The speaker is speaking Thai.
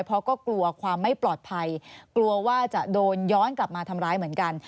เพราะก็กลัวความไม่ปลอดภัยกลัวว่าจะโดนย้อนกลับมาทำร้ายเหมือนกัน